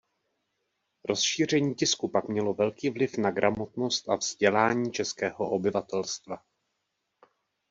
Rozšíření tisku pak mělo velký vliv na gramotnost a vzdělání českého obyvatelstva.